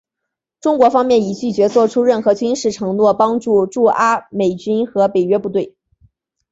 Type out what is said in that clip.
中国方面已拒绝做出任何军事承诺帮助驻阿美军和北约部队。